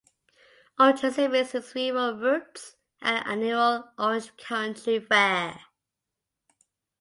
Orange exhibits its rural roots at the annual Orange Country Fair.